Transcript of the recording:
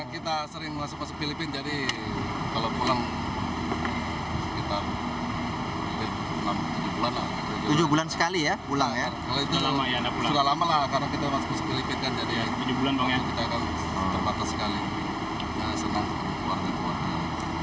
perusahaan berharap korban yang ditembak dari pembajak kru kapal yang ditembak dari pembajak dan juga pembajak yang ditembak dari pembajak